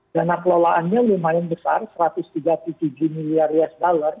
dana kelolaannya lumayan besar satu ratus tiga puluh tujuh miliar usd